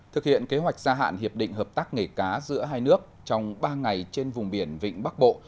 thực hiện kế hoạch gia hạn hiệp định hợp tác nghề cá giữa hai nước trong ba ngày trên vùng biển vịnh bắc bộ